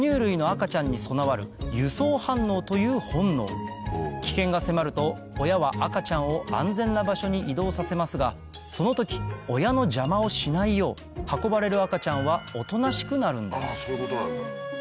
これは危険が迫ると親は赤ちゃんを安全な場所に移動させますがその時親の邪魔をしないよう運ばれる赤ちゃんはおとなしくなるんです